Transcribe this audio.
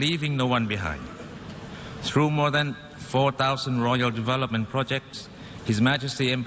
้ำด้วยการสร้างกองทุนอยู่ช่วยเวลาแหม้น